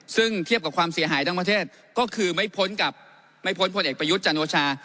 ซึ่งเทียบกับความเสียหายทั้งประเทศก็คือไม่พ้นกับไม่พ้นพลเอกประยุทธ์จันโอชา